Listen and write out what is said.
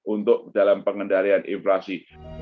untuk dalam pengendalian inflasi